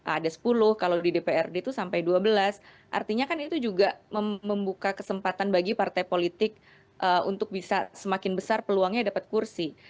ada sepuluh kalau di dprd itu sampai dua belas artinya kan itu juga membuka kesempatan bagi partai politik untuk bisa semakin besar peluangnya dapat kursi